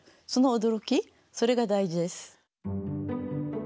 その驚きそれが大事です。